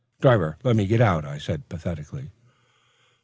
"Driver, let me get out," I said pathetically.